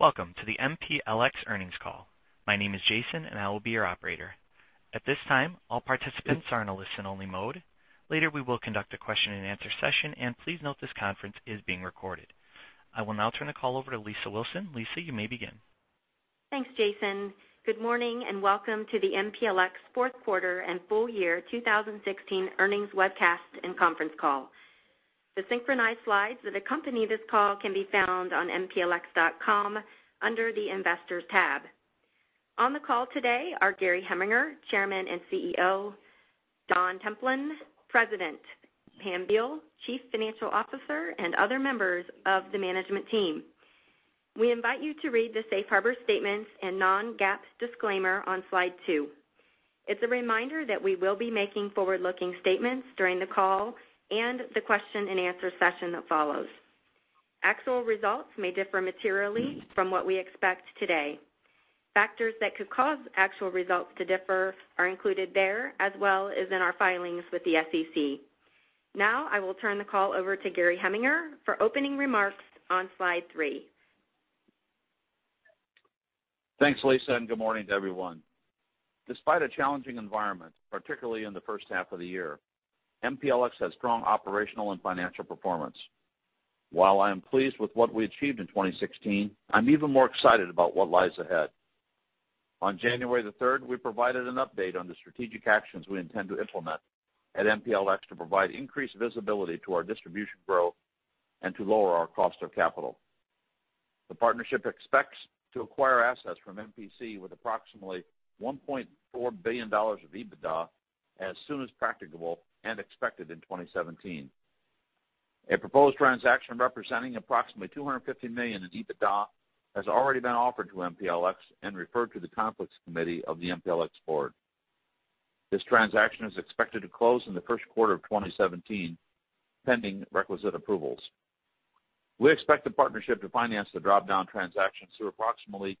Welcome to the MPLX earnings call. My name is Jason, I will be your operator. At this time, all participants are in a listen-only mode. Later, we will conduct a question-and-answer session, please note this conference is being recorded. I will now turn the call over to Lisa Wilson. Lisa, you may begin. Thanks, Jason. Good morning and welcome to the MPLX fourth quarter and full year 2016 earnings webcast and conference call. The synchronized slides that accompany this call can be found on mplx.com under the Investors tab. On the call today are Gary Heminger, Chairman and CEO, Don Templin, President, Pam Beall, Chief Financial Officer, and other members of the management team. We invite you to read the safe harbor statements and non-GAAP disclaimer on Slide two. It's a reminder that we will be making forward-looking statements during the call and the question-and-answer session that follows. Actual results may differ materially from what we expect today. Factors that could cause actual results to differ are included there, as well as in our filings with the SEC. I will turn the call over to Gary Heminger for opening remarks on Slide three. Thanks, Lisa, and good morning to everyone. Despite a challenging environment, particularly in the first half of the year, MPLX has strong operational and financial performance. While I am pleased with what we achieved in 2016, I'm even more excited about what lies ahead. On January the 3rd, we provided an update on the strategic actions we intend to implement at MPLX to provide increased visibility to our distribution growth and to lower our cost of capital. The partnership expects to acquire assets from MPC with approximately $1.4 billion of EBITDA as soon as practicable and expected in 2017. A proposed transaction representing approximately $250 million in EBITDA has already been offered to MPLX and referred to the Conflicts Committee of the MPLX board. This transaction is expected to close in the first quarter of 2017, pending requisite approvals. We expect the partnership to finance the drop-down transaction through approximately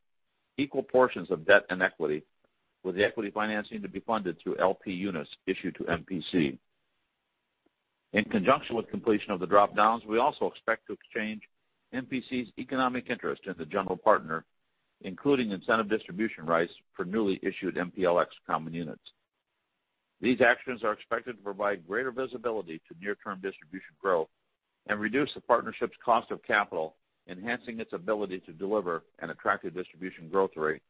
equal portions of debt and equity, with the equity financing to be funded through LP units issued to MPC. In conjunction with completion of the drop-downs, we also expect to exchange MPC's economic interest in the general partner, including incentive distribution rights for newly issued MPLX common units. These actions are expected to provide greater visibility to near-term distribution growth and reduce the partnership's cost of capital, enhancing its ability to deliver an attractive distribution growth rate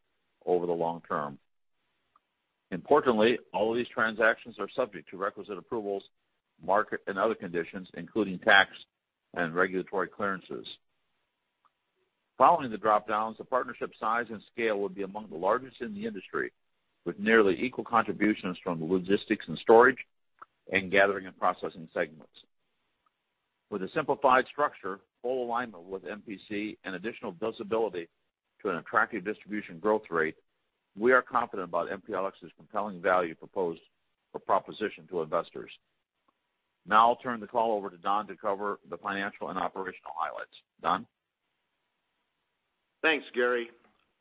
over the long term. Importantly, all these transactions are subject to requisite approvals, market and other conditions, including tax and regulatory clearances. Following the drop-downs, the partnership size and scale would be among the largest in the industry, with nearly equal contributions from the logistics and storage and gathering and processing segments. With a simplified structure, full alignment with MPC, and additional visibility to an attractive distribution growth rate, we are confident about MPLX's compelling value proposition to investors. I'll turn the call over to Don to cover the financial and operational highlights. Don? Thanks, Gary.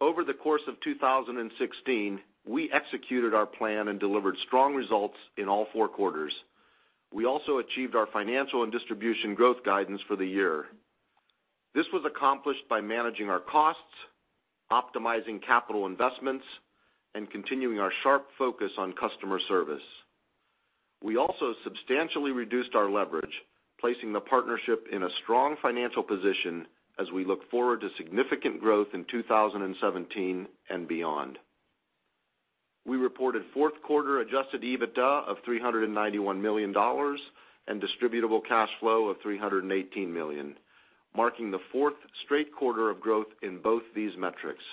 Over the course of 2016, we executed our plan and delivered strong results in all four quarters. We also achieved our financial and distribution growth guidance for the year. This was accomplished by managing our costs, optimizing capital investments, and continuing our sharp focus on customer service. We also substantially reduced our leverage, placing the partnership in a strong financial position as we look forward to significant growth in 2017 and beyond. We reported fourth quarter adjusted EBITDA of $391 million and distributable cash flow of $318 million, marking the fourth straight quarter of growth in both these metrics.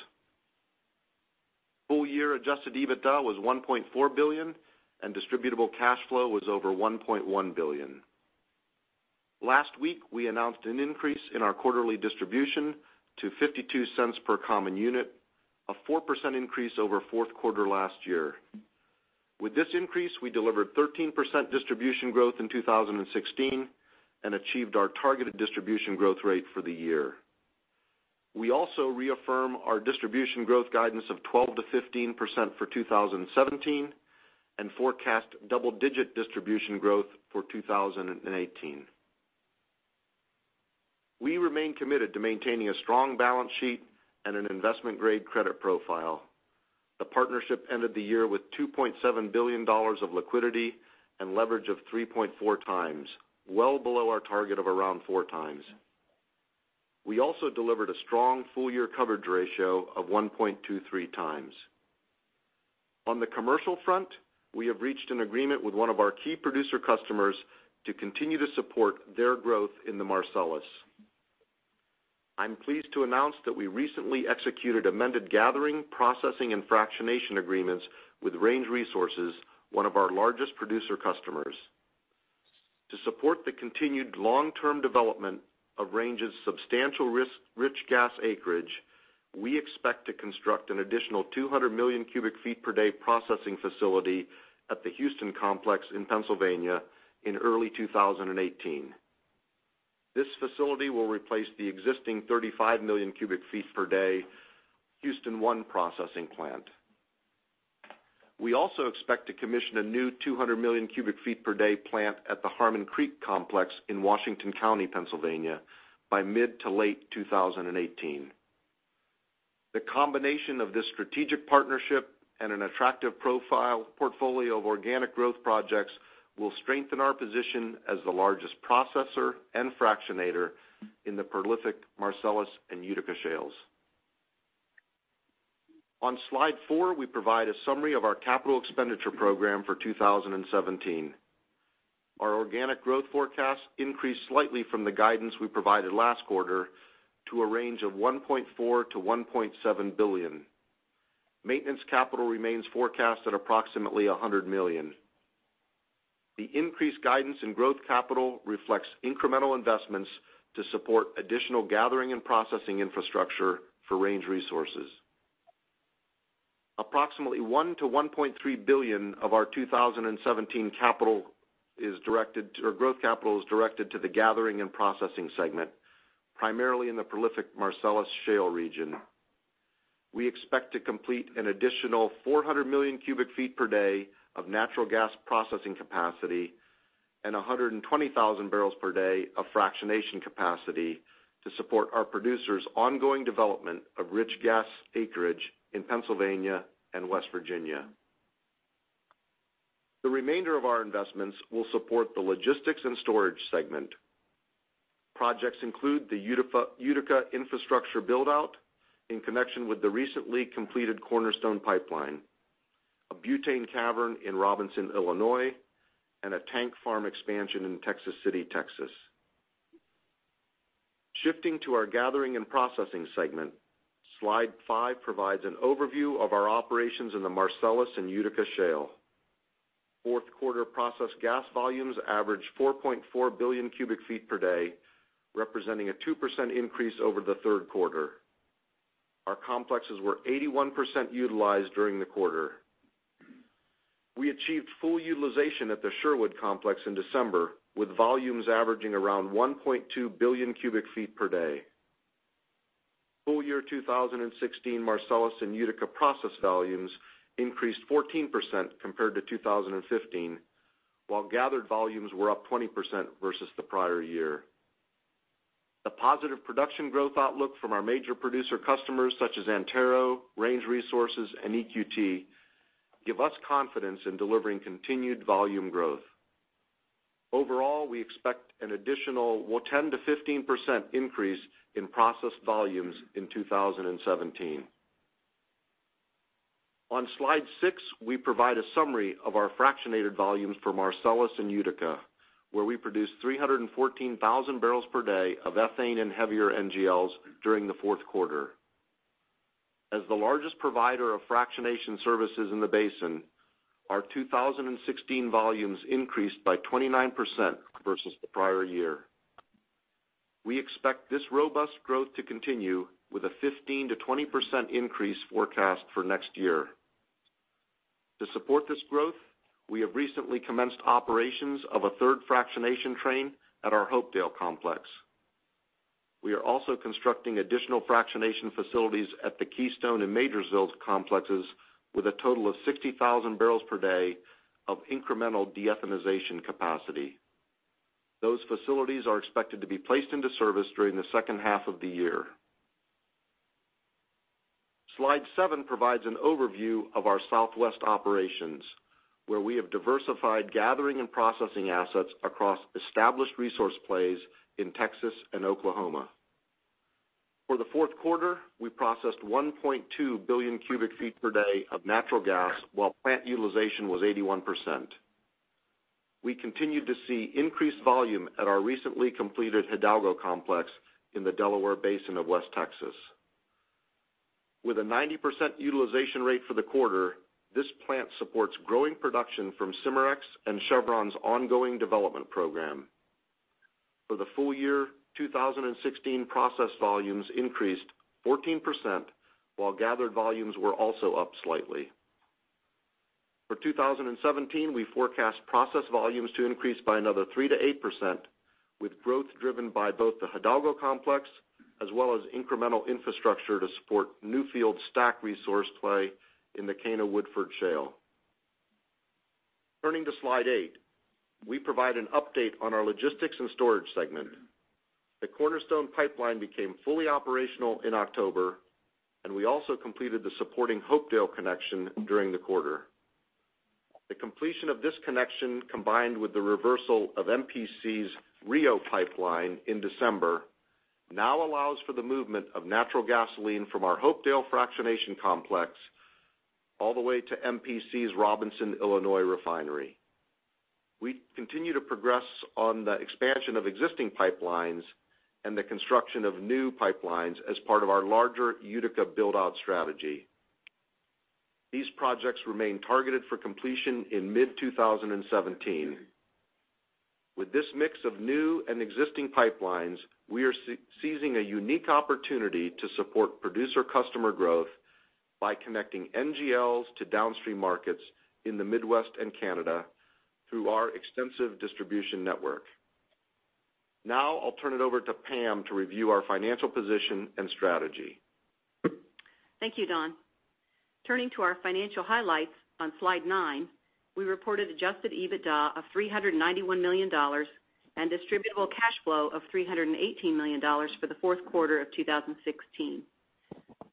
Full-year adjusted EBITDA was $1.4 billion, and distributable cash flow was over $1.1 billion. Last week, we announced an increase in our quarterly distribution to $0.52 per common unit, a 4% increase over fourth quarter last year. With this increase, we delivered 13% distribution growth in 2016 and achieved our targeted distribution growth rate for the year. We also reaffirm our distribution growth guidance of 12%-15% for 2017 and forecast double-digit distribution growth for 2018. We remain committed to maintaining a strong balance sheet and an investment-grade credit profile. The partnership ended the year with $2.7 billion of liquidity and leverage of 3.4 times, well below our target of around four times. We also delivered a strong full-year coverage ratio of 1.23 times. On the commercial front, we have reached an agreement with one of our key producer customers to continue to support their growth in the Marcellus. I'm pleased to announce that we recently executed amended gathering, processing, and fractionation agreements with Range Resources, one of our largest producer customers. To support the continued long-term development of Range's substantial liquids-rich gas acreage, we expect to construct an additional 200 million cubic feet per day processing facility at the Houston Complex in Pennsylvania in early 2018. This facility will replace the existing 35 million cubic feet per day Houston One processing plant. We also expect to commission a new 200 million cubic feet per day plant at the Harmon Creek complex in Washington County, Pennsylvania by mid to late 2018. The combination of this strategic partnership and an attractive project portfolio of organic growth projects will strengthen our position as the largest processor and fractionator in the prolific Marcellus and Utica shales. On slide four, we provide a summary of our capital expenditure program for 2017. Our organic growth forecast increased slightly from the guidance we provided last quarter to a range of $1.4 billion-$1.7 billion. Maintenance capital remains forecast at approximately $100 million. The increased guidance in growth capital reflects incremental investments to support additional Gathering and Processing infrastructure for Range Resources. Approximately $1 billion-$1.3 billion of our 2017 growth capital is directed to the Gathering and Processing segment, primarily in the prolific Marcellus shale region. We expect to complete an additional 400 million cubic feet per day of natural gas processing capacity and 120,000 barrels per day of fractionation capacity to support our producers' ongoing development of rich gas acreage in Pennsylvania and West Virginia. The remainder of our investments will support the Logistics and Storage segment. Projects include the Utica infrastructure build-out in connection with the recently completed Cornerstone Pipeline, a butane cavern in Robinson, Illinois, and a tank farm expansion in Texas City, Texas. Shifting to our Gathering and Processing segment, slide five provides an overview of our operations in the Marcellus and Utica shale. Fourth quarter processed gas volumes averaged 4.4 billion cubic feet per day, representing a 2% increase over the third quarter. Our complexes were 81% utilized during the quarter. We achieved full utilization at the Sherwood complex in December, with volumes averaging around 1.2 billion cubic feet per day. Full year 2016 Marcellus and Utica processed volumes increased 14% compared to 2015, while gathered volumes were up 20% versus the prior year. The positive production growth outlook from our major producer customers such as Antero, Range Resources, and EQT give us confidence in delivering continued volume growth. Overall, we expect an additional 10%-15% increase in processed volumes in 2017. On slide six, we provide a summary of our fractionated volumes for Marcellus and Utica, where we produced 314,000 barrels per day of ethane and heavier NGLs during the fourth quarter. As the largest provider of fractionation services in the basin, our 2016 volumes increased by 29% versus the prior year. We expect this robust growth to continue with a 15%-20% increase forecast for next year. To support this growth, we have recently commenced operations of a third fractionation train at our Hopedale complex. We are also constructing additional fractionation facilities at the Keystone and Majorsville complexes with a total of 60,000 barrels per day of incremental de-ethanization capacity. Those facilities are expected to be placed into service during the second half of the year. Slide seven provides an overview of our Southwest operations, where we have diversified Gathering and Processing assets across established resource plays in Texas and Oklahoma. For the fourth quarter, we processed 1.2 billion cubic feet per day of natural gas while plant utilization was 81%. We continued to see increased volume at our recently completed Hidalgo complex in the Delaware Basin of West Texas. With a 90% utilization rate for the quarter, this plant supports growing production from Cimarex and Chevron's ongoing development program. For the full year 2016, processed volumes increased 14%, while gathered volumes were also up slightly. For 2017, we forecast processed volumes to increase by another 3%-8%, with growth driven by both the Hidalgo complex as well as incremental infrastructure to support Newfield STACK resource play in the Cana-Woodford Shale. Turning to slide eight, we provide an update on our Logistics and Storage segment. The Cornerstone Pipeline became fully operational in October, and we also completed the supporting Hopedale connection during the quarter. The completion of this connection, combined with the reversal of MPC's RIO Pipeline in December, now allows for the movement of natural gasoline from our Hopedale fractionation complex all the way to MPC's Robinson, Illinois refinery. We continue to progress on the expansion of existing pipelines and the construction of new pipelines as part of our larger Utica build-out strategy. These projects remain targeted for completion in mid-2017. With this mix of new and existing pipelines, we are seizing a unique opportunity to support producer customer growth by connecting NGLs to downstream markets in the Midwest and Canada through our extensive distribution network. I'll turn it over to Pam to review our financial position and strategy. Thank you, Don. Turning to our financial highlights on Slide nine, we reported adjusted EBITDA of $391 million and distributable cash flow of $318 million for the fourth quarter of 2016.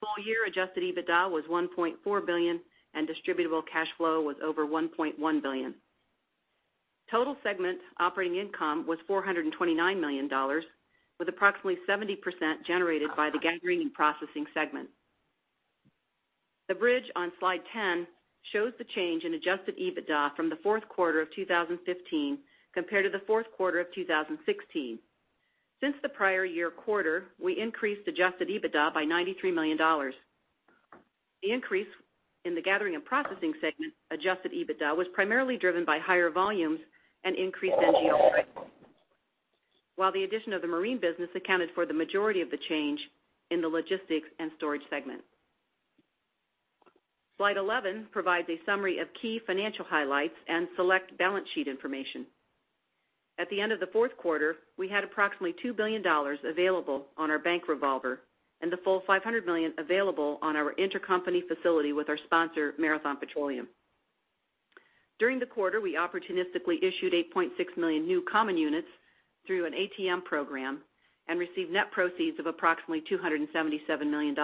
Full-year adjusted EBITDA was $1.4 billion and distributable cash flow was over $1.1 billion. Total segment operating income was $429 million, with approximately 70% generated by the Gathering and Processing segment. The bridge on Slide 10 shows the change in adjusted EBITDA from the fourth quarter of 2015 compared to the fourth quarter of 2016. Since the prior year quarter, we increased adjusted EBITDA by $93 million. The increase in the Gathering and Processing segment adjusted EBITDA was primarily driven by higher volumes and increased NGL prices. While the addition of the marine business accounted for the majority of the change in the Logistics and Storage segment. Slide 11 provides a summary of key financial highlights and select balance sheet information. At the end of the fourth quarter, we had approximately $2 billion available on our bank revolver and the full $500 million available on our intercompany facility with our sponsor, Marathon Petroleum. During the quarter, we opportunistically issued 8.6 million new common units through an ATM program and received net proceeds of approximately $277 million.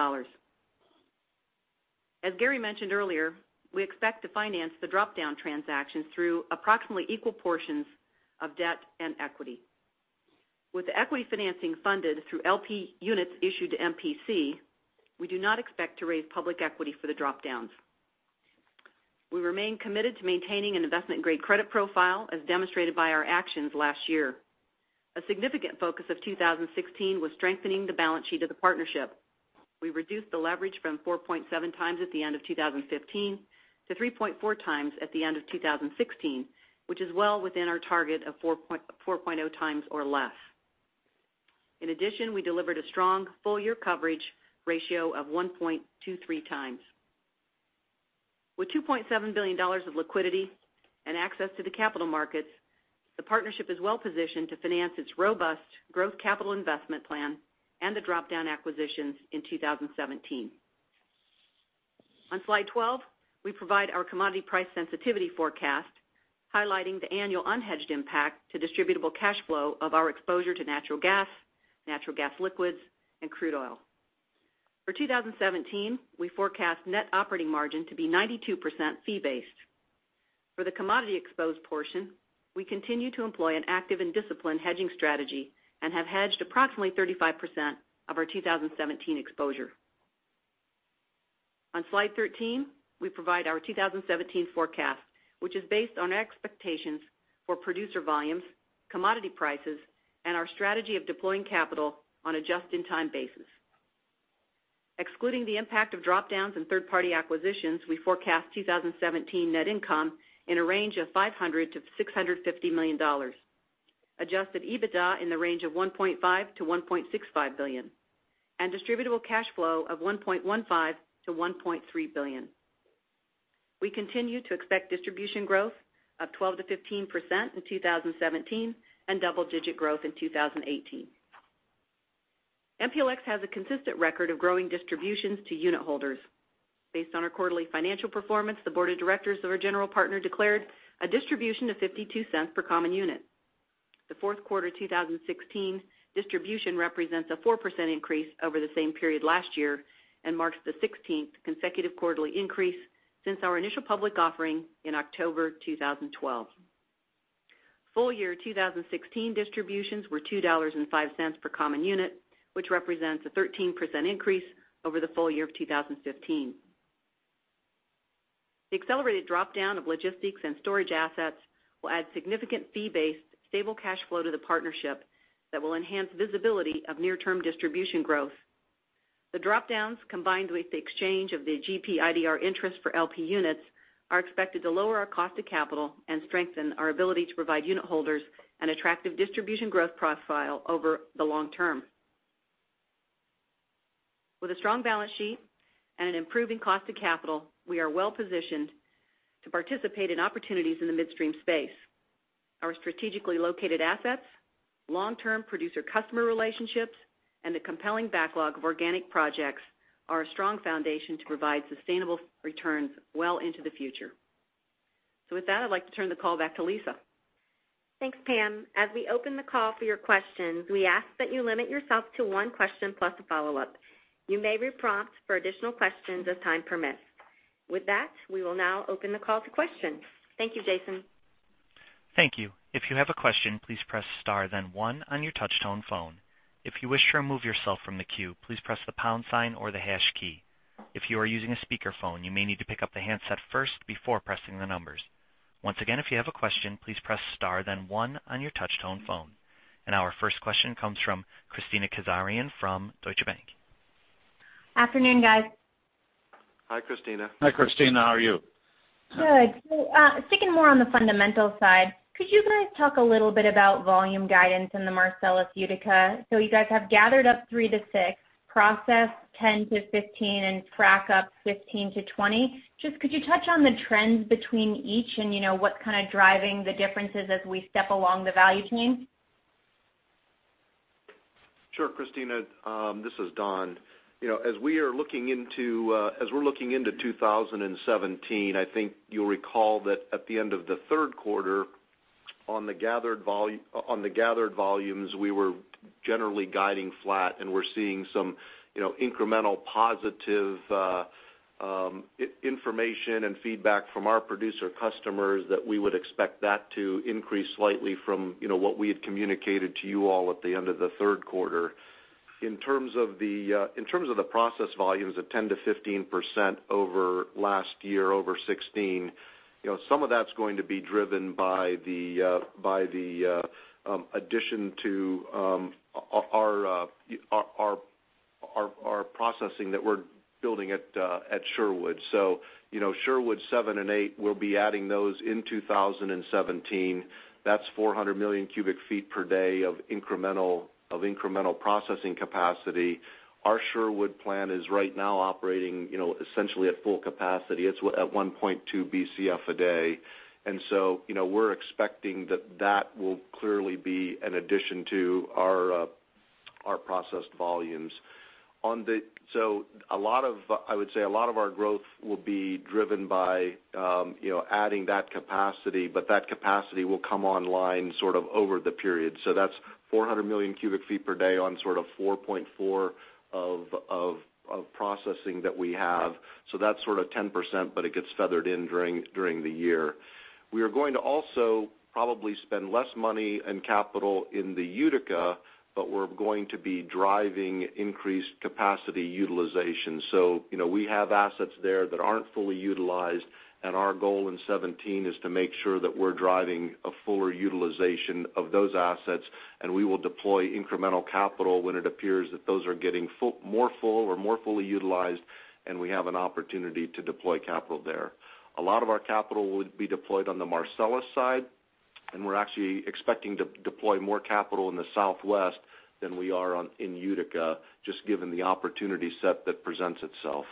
As Gary mentioned earlier, we expect to finance the drop-down transaction through approximately equal portions of debt and equity. With equity financing funded through LP units issued to MPC, we do not expect to raise public equity for the drop-downs. We remain committed to maintaining an investment-grade credit profile as demonstrated by our actions last year. A significant focus of 2016 was strengthening the balance sheet of the partnership. We reduced the leverage from 4.7 times at the end of 2015 to 3.4 times at the end of 2016, which is well within our target of 4.0 times or less. In addition, we delivered a strong full-year coverage ratio of 1.23 times. With $2.7 billion of liquidity and access to the capital markets, the partnership is well-positioned to finance its robust growth capital investment plan and the drop-down acquisitions in 2017. On Slide 12, we provide our commodity price sensitivity forecast, highlighting the annual unhedged impact to distributable cash flow of our exposure to natural gas, natural gas liquids, and crude oil. For 2017, we forecast net operating margin to be 92% fee-based. For the commodity exposed portion, we continue to employ an active and disciplined hedging strategy and have hedged approximately 35% of our 2017 exposure. On Slide 13, we provide our 2017 forecast, which is based on our expectations for producer volumes, commodity prices, and our strategy of deploying capital on a just-in-time basis. Excluding the impact of drop-downs and third-party acquisitions, we forecast 2017 net income in a range of $500 million-$650 million, adjusted EBITDA in the range of $1.5 billion-$1.65 billion, and distributable cash flow of $1.15 billion-$1.3 billion. We continue to expect distribution growth of 12%-15% in 2017 and double-digit growth in 2018. MPLX has a consistent record of growing distributions to unitholders. Based on our quarterly financial performance, the board of directors of our general partner declared a distribution of $0.52 per common unit. The fourth quarter 2016 distribution represents a 4% increase over the same period last year and marks the 16th consecutive quarterly increase since our initial public offering in October 2012. Full-year 2016 distributions were $2.05 per common unit, which represents a 13% increase over the full year of 2015. The accelerated drop-down of logistics and storage assets will add significant fee-based, stable cash flow to the partnership that will enhance visibility of near-term distribution growth. The drop-downs, combined with the exchange of the GP IDR interest for LP units, are expected to lower our cost of capital and strengthen our ability to provide unitholders an attractive distribution growth profile over the long term. With that, I'd like to turn the call back to Lisa. Thanks, Pam. As we open the call for your questions, we ask that you limit yourself to one question plus a follow-up. You may be prompted for additional questions as time permits. With that, we will now open the call to questions. Thank you, Jason. Thank you. If you have a question, please press star then one on your touch-tone phone. If you wish to remove yourself from the queue, please press the pound sign or the hash key. If you are using a speakerphone, you may need to pick up the handset first before pressing the numbers. Once again, if you have a question, please press star then one on your touch-tone phone. Our first question comes from Kristina Kazarian from Deutsche Bank. Afternoon, guys. Hi, Kristina. Hi, Kristina. How are you? Good. Sticking more on the fundamentals side, could you guys talk a little bit about volume guidance in the Marcellus Utica? You guys have gathered up 3-6, processed 10-15, and fractionated 15-20. Just could you touch on the trends between each and what's kind of driving the differences as we step along the value chain? Sure, Kristina, this is Don. We're looking into 2017. I think you'll recall that at the end of the third quarter, on the gathered volumes, we were generally guiding flat, and we're seeing some incremental positive information and feedback from our producer customers that we would expect that to increase slightly from what we had communicated to you all at the end of the third quarter. In terms of the process volumes of 10%-15% over last year, over 2016, some of that's going to be driven by the addition to our processing that we're building at Sherwood. Sherwood 7 and 8, we'll be adding those in 2017. That's 400 million cubic feet per day of incremental processing capacity. Our Sherwood plant is right now operating essentially at full capacity. It's at 1.2 Bcf per day. We're expecting that will clearly be an addition to our processed volumes. I would say a lot of our growth will be driven by adding that capacity, but that capacity will come online over the period. That's 400 million cubic feet per day on sort of 4.4 of processing that we have. That's sort of 10%, but it gets feathered in during the year. We are going to also probably spend less money and capital in the Utica, but we're going to be driving increased capacity utilization. We have assets there that aren't fully utilized, and our goal in 2017 is to make sure that we're driving a fuller utilization of those assets, and we will deploy incremental capital when it appears that those are getting more full or more fully utilized, and we have an opportunity to deploy capital there. A lot of our capital would be deployed on the Marcellus side, and we're actually expecting to deploy more capital in the Southwest than we are in Utica, just given the opportunity set that presents itself.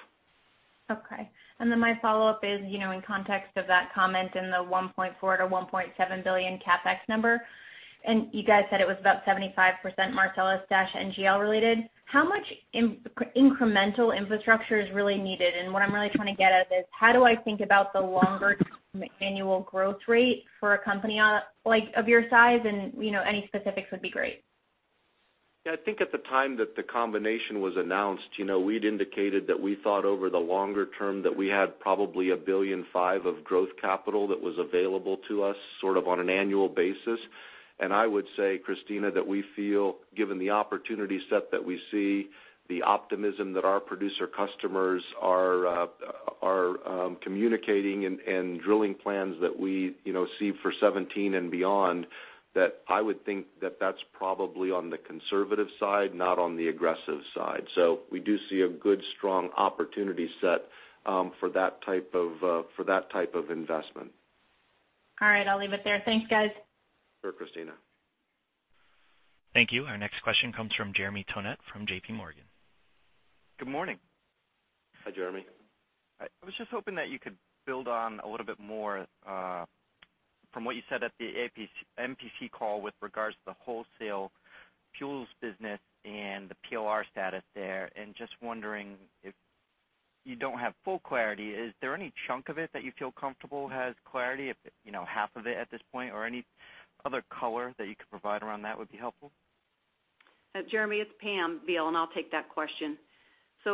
Okay. My follow-up is, in context of that comment in the $1.4 billion-$1.7 billion CapEx number, and you guys said it was about 75% Marcellus-NGL related. How much incremental infrastructure is really needed? What I'm really trying to get at is, how do I think about the longer annual growth rate for a company of your size, and any specifics would be great. I think at the time that the combination was announced, we'd indicated that we thought over the longer term that we had probably $1.5 billion of growth capital that was available to us sort of on an annual basis. I would say, Kristina, that we feel, given the opportunity set that we see, the optimism that our producer customers are communicating and drilling plans that we see for 2017 and beyond, that I would think that that's probably on the conservative side, not on the aggressive side. We do see a good, strong opportunity set for that type of investment. All right. I'll leave it there. Thanks, guys. Sure, Kristina. Thank you. Our next question comes from Jeremy Tonet from J.P. Morgan. Good morning. Hi, Jeremy. Just wondering if you don't have full clarity, is there any chunk of it that you feel comfortable has clarity, half of it at this point, or any other color that you could provide around that would be helpful? Jeremy, it's Pam Beall, and I'll take that question.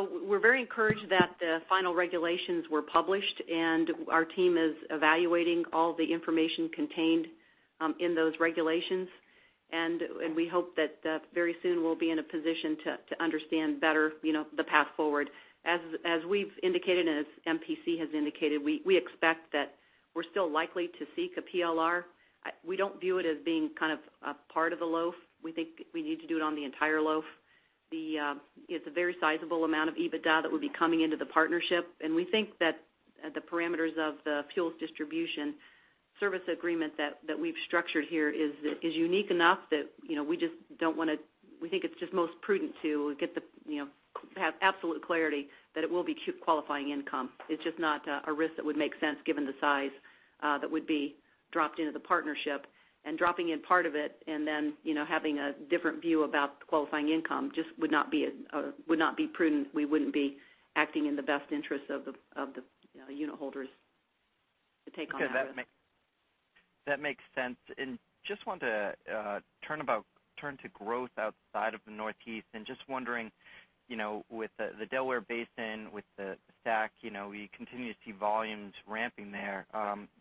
We're very encouraged that the final regulations were published, and our team is evaluating all the information contained in those regulations. We hope that very soon we'll be in a position to understand better the path forward. As we've indicated, and as MPC has indicated, we expect that we're still likely to seek a PLR. We don't view it as being kind of a part of the loaf. We think we need to do it on the entire loaf. It's a very sizable amount of EBITDA that would be coming into the partnership, and we think that the parameters of the fuels distribution service agreement that we've structured here is unique enough that we think it's just most prudent to have absolute clarity that it will be qualifying income. It's just not a risk that would make sense given the size that would be dropped into the partnership. Dropping in part of it and then having a different view about qualifying income just would not be prudent. We wouldn't be acting in the best interest of the unitholders to take on that risk. Okay. That makes sense. Just wanted to turn to growth outside of the Northeast and just wondering, with the Delaware Basin, with the STACK, we continue to see volumes ramping there.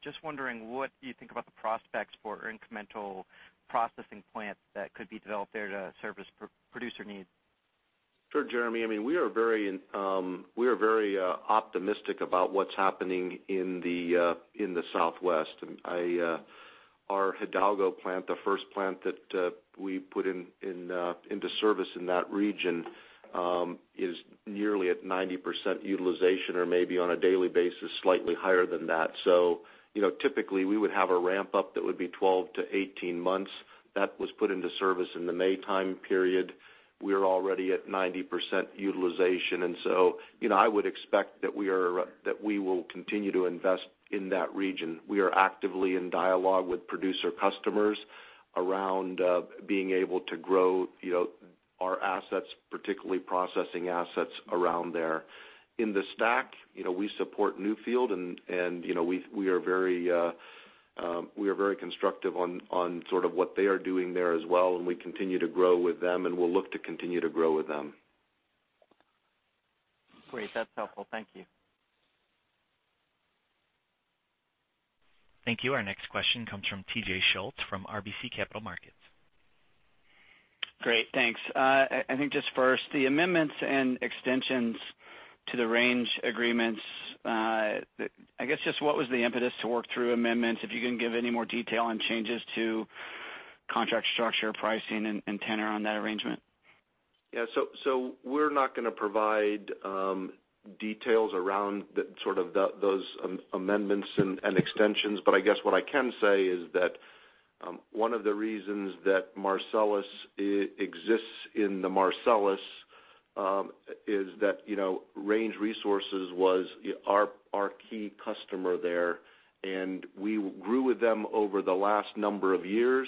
Just wondering what you think about the prospects for incremental processing plants that could be developed there to service producer needs. Sure. Jeremy, we are very optimistic about what's happening in the Southwest. Our Hidalgo plant, the first plant that we put into service in that region, is nearly at 90% utilization or maybe on a daily basis, slightly higher than that. Typically, we would have a ramp-up that would be 12 to 18 months. That was put into service in the May time period. We are already at 90% utilization, I would expect that we will continue to invest in that region. We are actively in dialogue with producer customers. Around being able to grow our assets, particularly processing assets around there. In the STACK, we support Newfield and we are very constructive on what they are doing there as well, we continue to grow with them, and we'll look to continue to grow with them. Great. That's helpful. Thank you. Thank you. Our next question comes from T.J. Schultz from RBC Capital Markets. Great. Thanks. I think just first, the amendments and extensions to the Range agreements, I guess just what was the impetus to work through amendments? If you can give any more detail on changes to contract structure, pricing, and tenor on that arrangement. Yeah. We're not going to provide details around those amendments and extensions. I guess what I can say is that one of the reasons that Marcellus exists in the Marcellus, is that Range Resources was our key customer there, and we grew with them over the last number of years,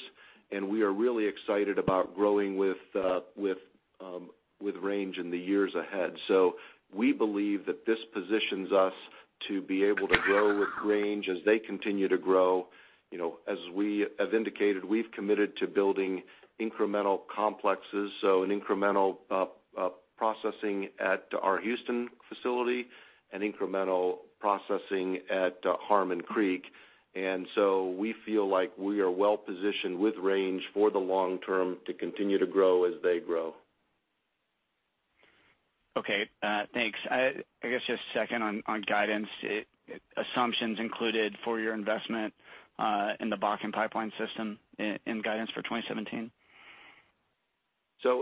and we are really excited about growing with Range in the years ahead. We believe that this positions us to be able to grow with Range as they continue to grow. As indicated, we've committed to building incremental complexes, so an incremental processing at our Houston facility and incremental processing at Harmon Creek. We feel like we are well-positioned with Range for the long term to continue to grow as they grow. Okay, thanks. I guess just second on guidance, assumptions included for your investment in the Bakken Pipeline system in guidance for 2017.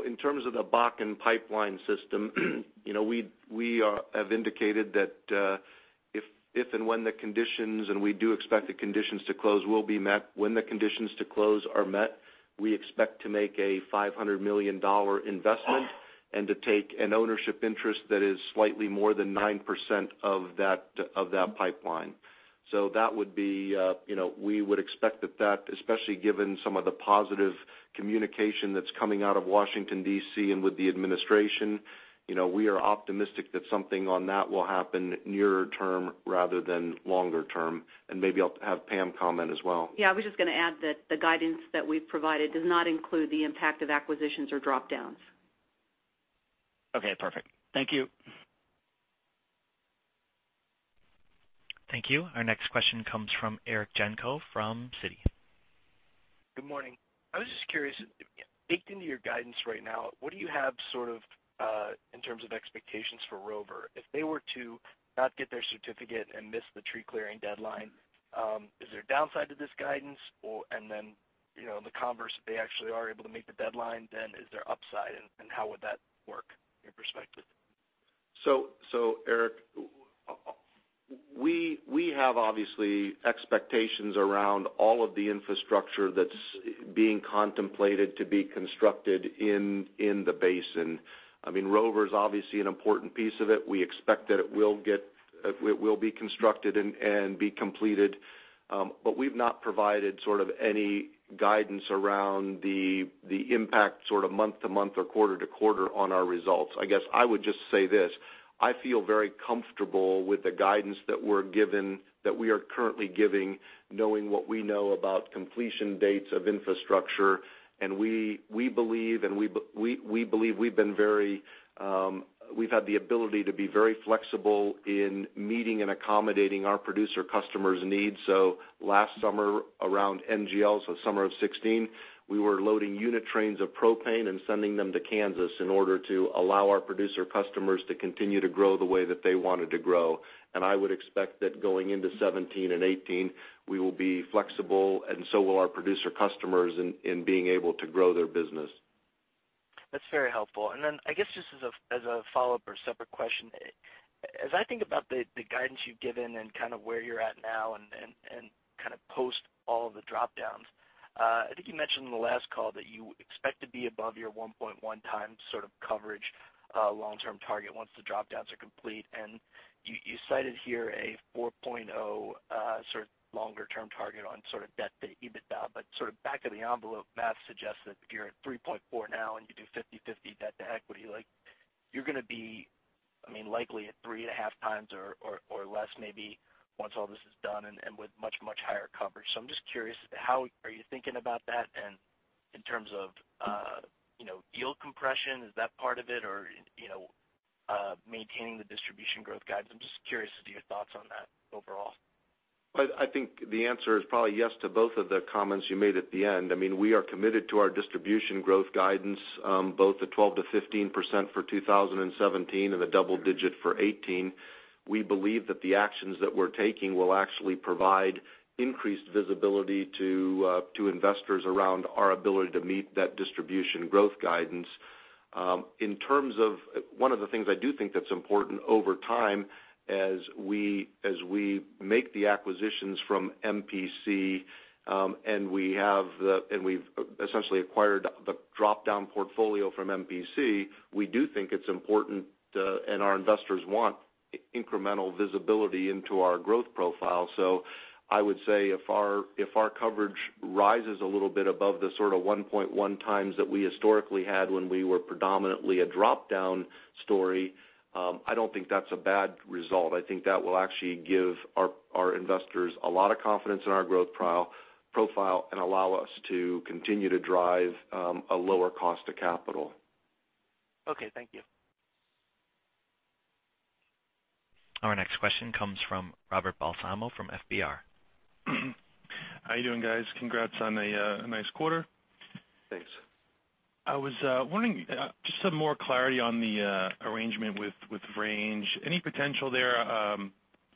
In terms of the Bakken Pipeline system, we have indicated that if and when the conditions, and we do expect the conditions to close will be met, when the conditions to close are met, we expect to make a $500 million investment and to take an ownership interest that is slightly more than 9% of that pipeline. We would expect that especially given some of the positive communication that's coming out of Washington, D.C. and with the administration, we are optimistic that something on that will happen nearer term rather than longer term. And maybe I'll have Pam comment as well. Yeah, I was just going to add that the guidance that we've provided does not include the impact of acquisitions or drop-downs. Okay, perfect. Thank you. Thank you. Our next question comes from Eric Genco from Citi. Good morning. I was just curious, baked into your guidance right now, what do you have in terms of expectations for Rover? If they were to not get their certificate and miss the tree clearing deadline, is there a downside to this guidance? The converse, if they actually are able to meet the deadline, is there upside, and how would that work in perspective? Eric, we have obviously expectations around all of the infrastructure that's being contemplated to be constructed in the basin. Rover's obviously an important piece of it. We expect that it will be constructed and be completed. We've not provided any guidance around the impact month to month or quarter to quarter on our results. I guess I would just say this, I feel very comfortable with the guidance that we are currently giving, knowing what we know about completion dates of infrastructure. We believe we've had the ability to be very flexible in meeting and accommodating our producer customers' needs. Last summer around NGL, summer of 2016, we were loading unit trains of propane and sending them to Kansas in order to allow our producer customers to continue to grow the way that they wanted to grow. I would expect that going into 2017 and 2018, we will be flexible and so will our producer customers in being able to grow their business. That's very helpful. I guess just as a follow-up or separate question, as I think about the guidance you've given and where you're at now and post all of the drop-downs, I think you mentioned in the last call that you expect to be above your 1.1 times coverage long-term target once the drop-downs are complete. You cited here a 4.0 longer-term target on debt to EBITDA, but back of the envelope math suggests that if you're at 3.4 now and you do 50/50 debt to equity, you're going to be likely at 3.5 times or less maybe once all this is done and with much, much higher coverage. I'm just curious, how are you thinking about that? In terms of yield compression, is that part of it? Maintaining the distribution growth guidance? I'm just curious as to your thoughts on that overall. I think the answer is probably yes to both of the comments you made at the end. I mean, we are committed to our distribution growth guidance, both the 12%-15% for 2017 and the double digit for 2018. We believe that the actions that we're taking will actually provide increased visibility to investors around our ability to meet that distribution growth guidance. In terms of one of the things I do think that's important over time as we make the acquisitions from MPC, and we've essentially acquired the drop-down portfolio from MPC, we do think it's important, and our investors want incremental visibility into our growth profile. I would say if our coverage rises a little bit above the sort of 1.1 times that we historically had when we were predominantly a drop-down story, I don't think that's a bad result. I think that will actually give our investors a lot of confidence in our growth profile and allow us to continue to drive a lower cost of capital. Okay. Thank you. Our next question comes from Robert Balsamo from FBR. How you doing, guys? Congrats on a nice quarter. Thanks. I was wanting just some more clarity on the arrangement with Range. Any potential there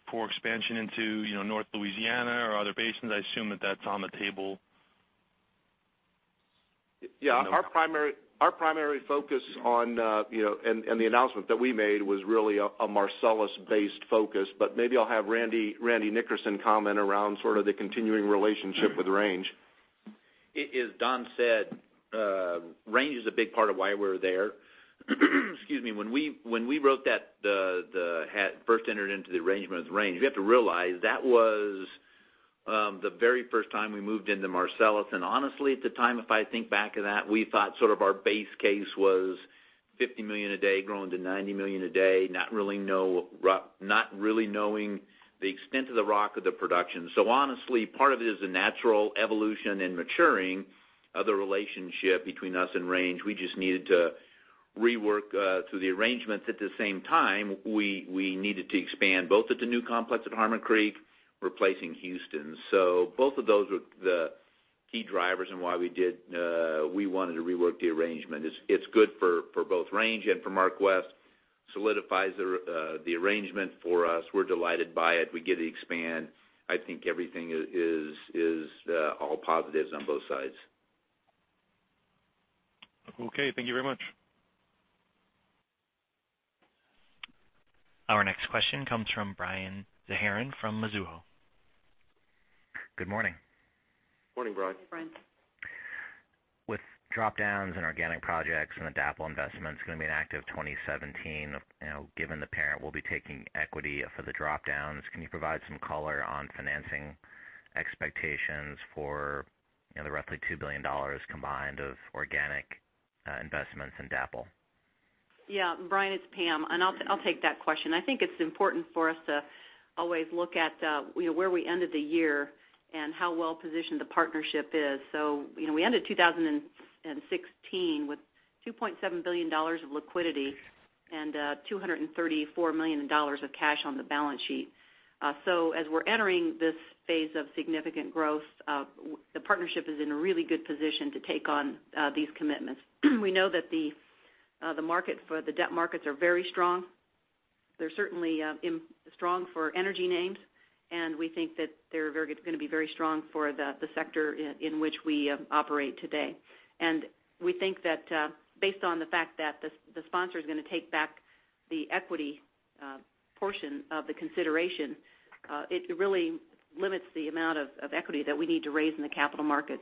for expansion into North Louisiana or other basins? I assume that's on the table. Yeah. Our primary focus and the announcement that we made was really a Marcellus-based focus. Maybe I'll have Randy Nickerson comment around sort of the continuing relationship with Range. As Don said, Range is a big part of why we're there. Excuse me. When we first entered into the arrangement with Range, you have to realize that was the very first time we moved into Marcellus. Honestly, at the time, if I think back to that, we thought sort of our base case was 50 million a day growing to 90 million a day, not really knowing the extent of the rock of the production. Honestly, part of it is the natural evolution and maturing of the relationship between us and Range. We just needed to rework through the arrangements. At the same time, we needed to expand both at the new complex at Harmon Creek, replacing Houston. Both of those were the key drivers in why we wanted to rework the arrangement. It's good for both Range and for MarkWest. Solidifies the arrangement for us. We're delighted by it. We get to expand. I think everything is all positives on both sides. Okay. Thank you very much. Our next question comes from Brian Zarri from Mizuho. Good morning. Morning, Brian. Good morning, Brian. With drop-downs and organic projects and the DAPL investment's going to be an active 2017. Given the parent will be taking equity for the drop-downs, can you provide some color on financing expectations for the roughly $2 billion combined of organic investments in DAPL? Brian, it's Pam, I'll take that question. I think it's important for us to always look at where we ended the year and how well-positioned the partnership is. We ended 2016 with $2.7 billion of liquidity and $234 million of cash on the balance sheet. As we're entering this phase of significant growth, the partnership is in a really good position to take on these commitments. We know that the debt markets are very strong. They're certainly strong for energy names, we think that they're going to be very strong for the sector in which we operate today. We think that based on the fact that the sponsor's going to take back the equity portion of the consideration, it really limits the amount of equity that we need to raise in the capital markets.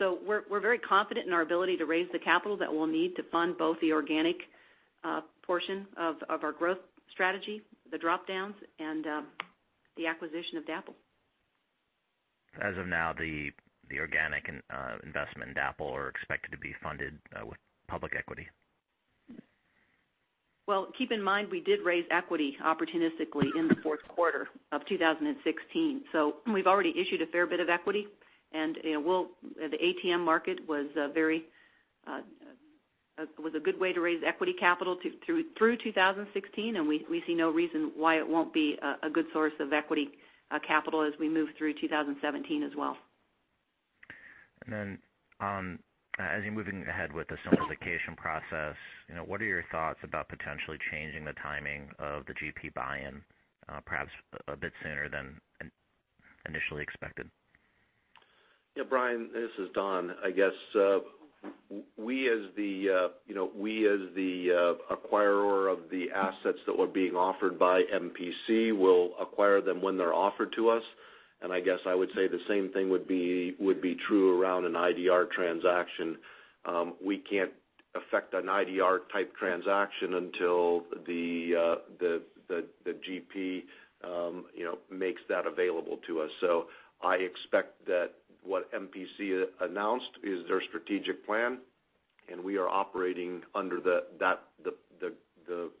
We're very confident in our ability to raise the capital that we'll need to fund both the organic portion of our growth strategy, the drop-downs, and the acquisition of DAPL. As of now, the organic investment in DAPL are expected to be funded with public equity. Keep in mind, we did raise equity opportunistically in the fourth quarter of 2016. We've already issued a fair bit of equity, the ATM market was a good way to raise equity capital through 2016, we see no reason why it won't be a good source of equity capital as we move through 2017 as well. As you're moving ahead with the simplification process, what are your thoughts about potentially changing the timing of the GP buy-in perhaps a bit sooner than initially expected? Yeah. Brian Zarri, this is Don. I guess we as the acquirer of the assets that were being offered by MPC will acquire them when they're offered to us, and I guess I would say the same thing would be true around an IDR transaction. We can't affect an IDR type transaction until the GP makes that available to us. I expect that what MPC announced is their strategic plan, and we are operating under the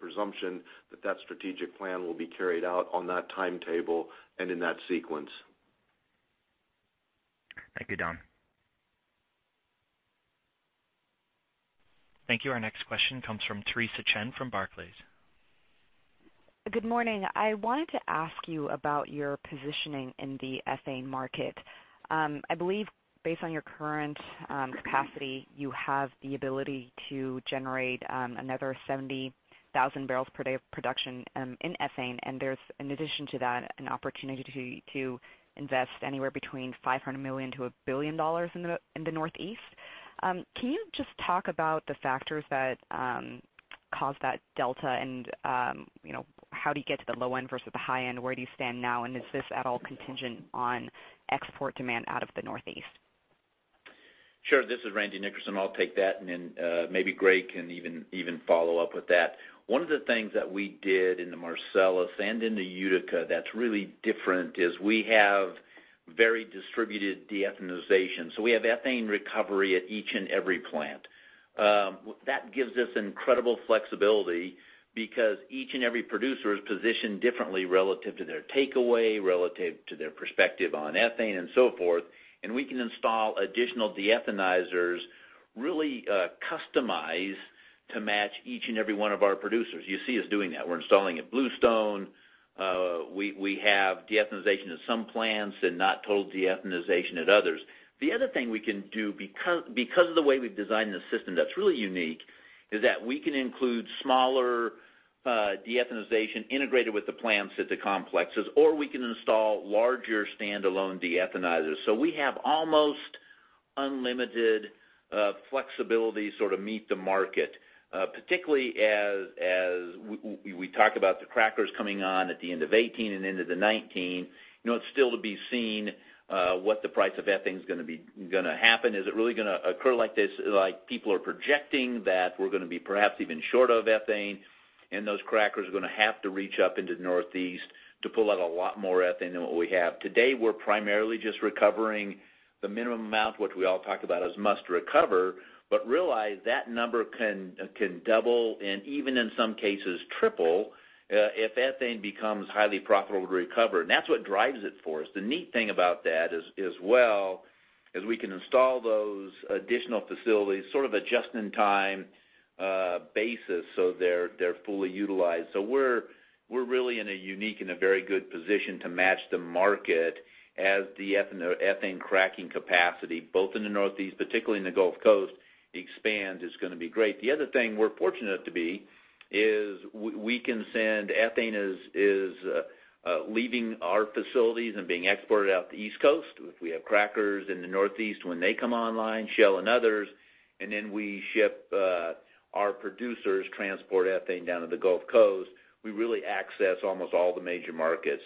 presumption that that strategic plan will be carried out on that timetable and in that sequence. Thank you, Don. Thank you. Our next question comes from Theresa Chen from Barclays. Good morning. I wanted to ask you about your positioning in the ethane market. I believe based on your current capacity, you have the ability to generate another 70,000 barrels per day of production in ethane, in addition to that, an opportunity to invest anywhere between $500 million-$1 billion in the Northeast. Can you just talk about the factors that cause that delta? How do you get to the low end versus the high end? Where do you stand now, and is this at all contingent on export demand out of the Northeast? Sure. This is Randy Nickerson. I'll take that, and then maybe Greg can even follow up with that. One of the things that we did in the Marcellus and in the Utica that's really different is we have very distributed de-ethanization. We have ethane recovery at each and every plant. That gives us incredible flexibility because each and every producer is positioned differently relative to their takeaway, relative to their perspective on ethane, and so forth. We can install additional de-ethanizers really customized to match each and every one of our producers. You see us doing that. We're installing at Bluestone. We have de-ethanization at some plants and not total de-ethanization at others. The other thing we can do, because of the way we've designed the system that's really unique, is that we can include smaller de-ethanization integrated with the plants at the complexes, or we can install larger standalone de-ethanizers. We have almost unlimited flexibility to meet the market, particularly as we talk about the crackers coming on at the end of 2018 and into 2019. It's still to be seen what the price of ethane is going to happen. Is it really going to occur like people are projecting that we're going to be perhaps even short of ethane, and those crackers are going to have to reach up into the Northeast to pull out a lot more ethane than what we have? Today, we're primarily just recovering the minimum amount, which we all talk about as must recover. Realize, that number can double, and even in some cases triple, if ethane becomes highly profitable to recover, and that's what drives it for us. The neat thing about that as well is we can install those additional facilities sort of just-in-time basis so they're fully utilized. We're really in a unique and a very good position to match the market as the ethane cracking capacity, both in the Northeast, particularly in the Gulf Coast, expands, is going to be great. The other thing we're fortunate to be is we can ethane is leaving our facilities and being exported out the East Coast. If we have crackers in the Northeast, when they come online, Shell and others, and then we ship our producers transport ethane down to the Gulf Coast, we really access almost all the major markets.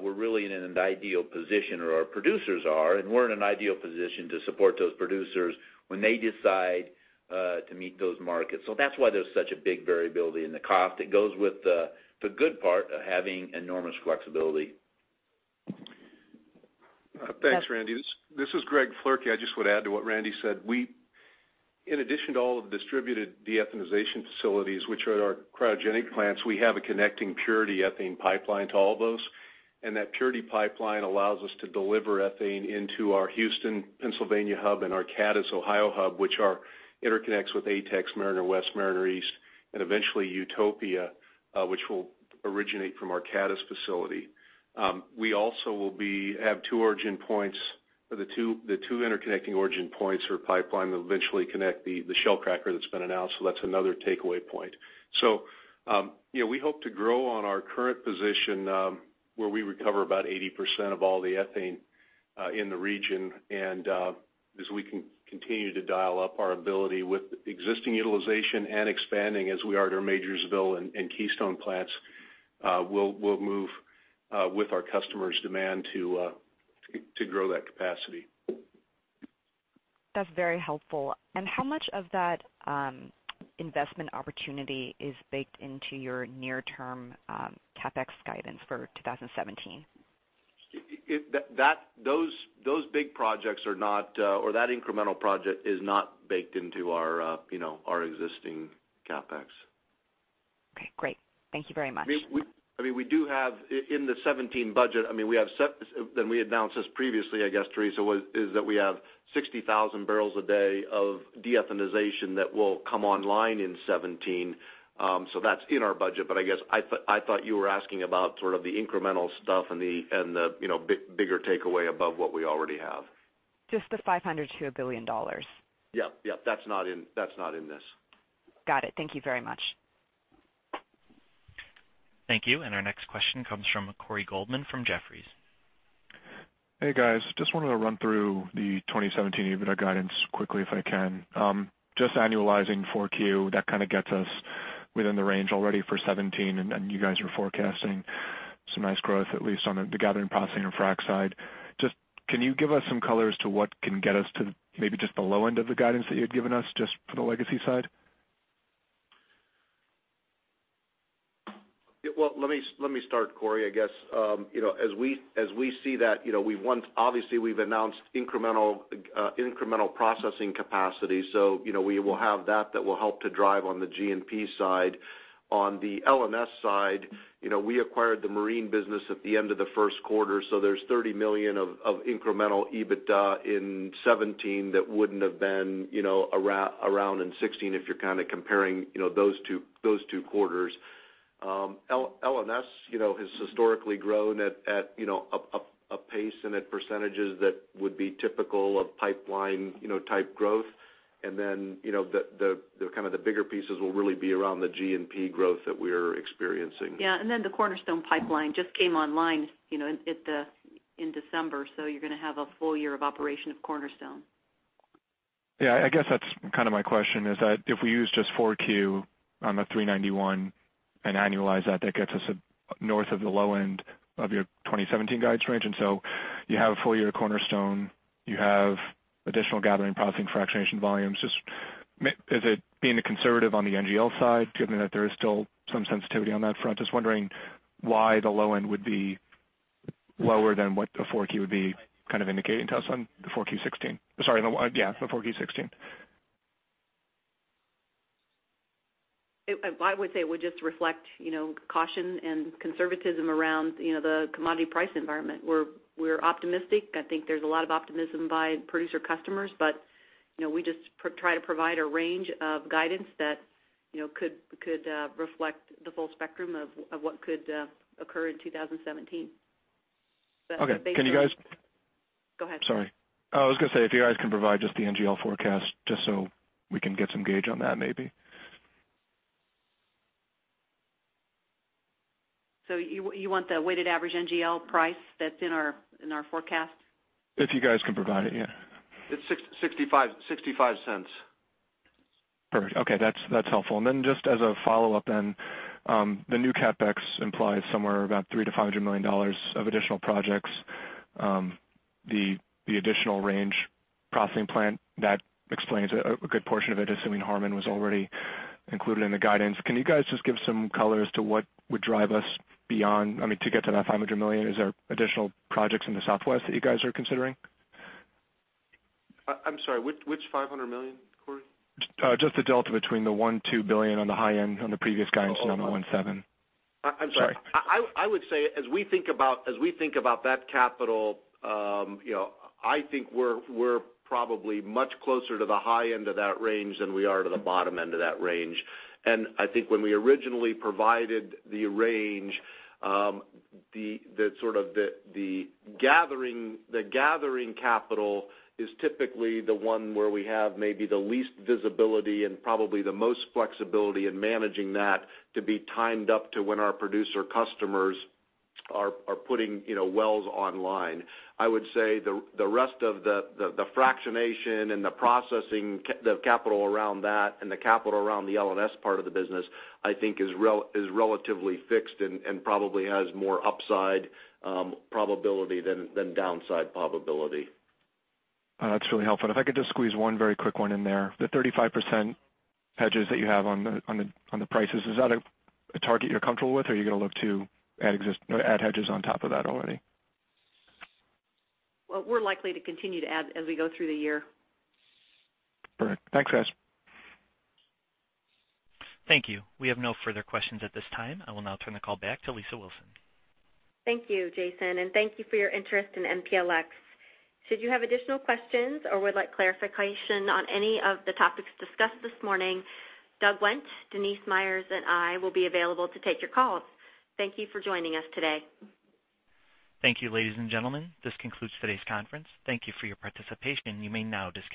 We're really in an ideal position, or our producers are, and we're in an ideal position to support those producers when they decide to meet those markets. That's why there's such a big variability in the cost. It goes with the good part of having enormous flexibility. Thanks, Randy. This is Greg Floerke. I just would add to what Randy said. In addition to all of the distributed de-ethanization facilities, which are at our cryogenic plants, we have a connecting purity ethane pipeline to all those. That purity pipeline allows us to deliver ethane into our Houston, Pennsylvania hub, and our Cadiz, Ohio hub, which interconnects with ATEX, Mariner West, Mariner East, and eventually Utopia, which will originate from our Cadiz facility. We also will have two origin points, or the two interconnecting origin points or pipeline that will eventually connect the Shell cracker that's been announced. That's another takeaway point. We hope to grow on our current position where we recover about 80% of all the ethane in the region. As we can continue to dial up our ability with existing utilization and expanding as we are at our Majorsville and Keystone plants, we'll move with our customers' demand to grow that capacity. That's very helpful. How much of that investment opportunity is baked into your near-term CapEx guidance for 2017? Those big projects or that incremental project is not baked into our existing CapEx. Okay, great. Thank you very much. In the 2017 budget, we announced this previously, I guess, Theresa, is that we have 60,000 barrels a day of de-ethanization that will come online in 2017. That's in our budget. I guess I thought you were asking about sort of the incremental stuff and the bigger takeaway above what we already have. Just the $500 to $1 billion. Yep. That's not in this. Got it. Thank you very much. Thank you. Our next question comes from Corey Goldman from Jefferies. Hey, guys. Just wanted to run through the 2017 EBITDA guidance quickly if I can. Just annualizing 4Q, that kind of gets us within the range already for 2017, and you guys are forecasting some nice growth, at least on the gathering, processing, and frack side. Just can you give us some color as to what can get us to maybe just the low end of the guidance that you had given us just for the legacy side? Well, let me start, Corey. I guess as we see that, obviously we've announced incremental processing capacity, so we will have that will help to drive on the G&P side. On the L&S side, we acquired the marine business at the end of the first quarter, so there's $30 million of incremental EBITDA in 2017 that wouldn't have been around in 2016 if you're kind of comparing those two quarters. L&S has historically grown at a pace and at percentages that would be typical of pipeline-type growth. The bigger pieces will really be around the G&P growth that we're experiencing. Yeah. The Cornerstone Pipeline just came online at the In December, so you're going to have a full year of operation of Cornerstone. Yeah, I guess that's kind of my question is that if we use just 4Q on the $391 and annualize that gets us north of the low end of your 2017 guidance range. You have a full year of Cornerstone, you have additional gathering, processing, fractionation volumes. Just, is it being conservative on the NGL side, given that there is still some sensitivity on that front? Just wondering why the low end would be lower than what the 4Q would be kind of indicating to us on the 4Q 2016. Sorry. Yeah, the 4Q 2016. I would say it would just reflect caution and conservatism around the commodity price environment. We're optimistic. I think there's a lot of optimism by producer customers, but we just try to provide a range of guidance that could reflect the full spectrum of what could occur in 2017. Okay. Can you guys- Go ahead. Sorry. I was going to say, if you guys can provide just the NGL forecast just so we can get some gauge on that, maybe. You want the weighted average NGL price that's in our forecast? If you guys can provide it, yeah. It's $0.65. Perfect. Okay, that's helpful. Just as a follow-up then, the new CapEx implies somewhere about $300 million-$500 million of additional projects. The additional range processing plant, that explains a good portion of it, assuming Harmon was already included in the guidance. Can you guys just give some color as to what would drive us, I mean, to get to that $500 million? Is there additional projects in the Southwest that you guys are considering? I'm sorry, which $500 million, Corey? Just the delta between the $1 billion, $2 billion on the high end on the previous guidance on the one seven. Sorry. I would say, as we think about that capital, I think we're probably much closer to the high end of that range than we are to the bottom end of that range. I think when we originally provided the range, the gathering capital is typically the one where we have maybe the least visibility and probably the most flexibility in managing that to be timed up to when our producer customers are putting wells online. I would say the rest of the fractionation and the processing, the capital around that and the capital around the L&S part of the business, I think is relatively fixed and probably has more upside probability than downside probability. That's really helpful. If I could just squeeze one very quick one in there. The 35% hedges that you have on the prices, is that a target you're comfortable with, or are you going to look to add hedges on top of that already? Well, we're likely to continue to add as we go through the year. Perfect. Thanks, guys. Thank you. We have no further questions at this time. I will now turn the call back to Lisa Wilson. Thank you, Jason, and thank you for your interest in MPLX. Should you have additional questions or would like clarification on any of the topics discussed this morning, Doug Wendt, Denice Myers, and I will be available to take your calls. Thank you for joining us today. Thank you, ladies and gentlemen. This concludes today's conference. Thank you for your participation. You may now disconnect.